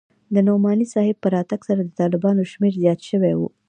د نعماني صاحب په راتگ سره د طلباوو شمېر زيات سوى و.